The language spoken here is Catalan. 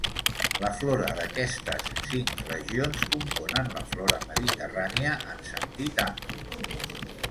La flora d'aquestes cinc regions componen la flora mediterrània en sentit ampli.